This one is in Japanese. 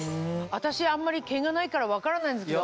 私あんまり毛がないから分からないんですけど。